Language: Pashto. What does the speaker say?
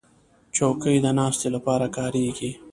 چوکۍ د ناستې لپاره کارېږي.